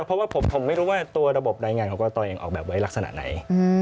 เพราะว่าผมไม่รู้ว่าตัวระบบรายงานของกรตยังออกแบบไว้ลักษณะไหน